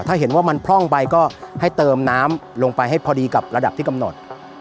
ถ้าเห็นว่ามันพร่องไปก็ให้เติมน้ำลงไปให้พอดีกับระดับที่กำหนด